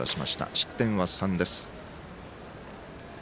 失点は３です。